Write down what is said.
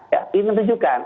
ya ingin tunjukkan